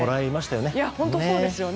本当にそうですよね。